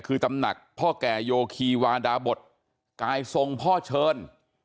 คือตำหนักพ่อแก่โยคีวาดาบทกายทรงพ่อเชิญ